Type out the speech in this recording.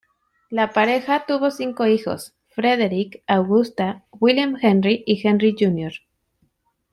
La pareja tuvo cinco hijos: Frederick, Augusta, William Henry, Henry Jr.